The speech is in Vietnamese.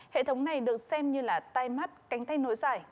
hệ thống này được xem như là tai mắt cánh tay nối dài